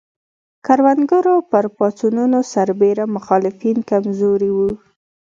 کروندګرو پر پاڅونونو سربېره مخالفین کم زوري وو.